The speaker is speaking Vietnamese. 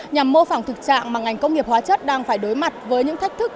nhằm mô phỏng thực trạng mà ngành công nghiệp hóa chất đang phải đối mặt với những thách thức